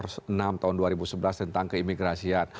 nomor enam tahun dua ribu sebelas tentang keimigrasian